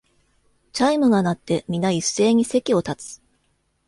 チャイムが鳴って、みな一斉に席を立つ